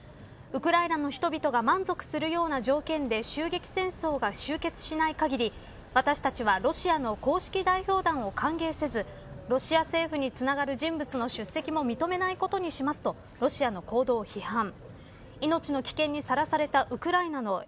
ウクライナの人々が満足するような条件で襲撃戦争が終結しないかぎり私たちはロシアの公式代表団を歓迎せずロシア政府につながる人物の出席も認めないことにしますとロシアの報道を批判。